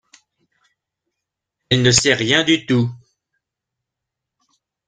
Elle ne sait rien du tout.